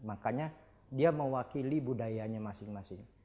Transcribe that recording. makanya dia mewakili budayanya masing masing